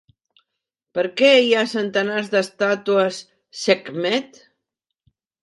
Per què hi ha centenars d'estàtues Sekhmet?